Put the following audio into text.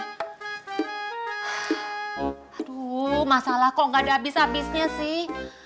aduh masalah kok gak ada abis abisnya sih